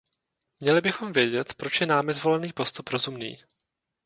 Měli bychom vědět, proč je námi zvolený postup rozumný.